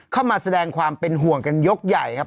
เข้ามาแสดงความเป็นห่วงกันยกใหญ่ครับ